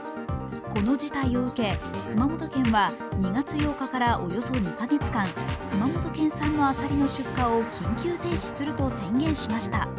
この事態を受け熊本県は２月８日からおよそ２カ月間、熊本県産アサリの出荷を緊急停止すると宣言しました。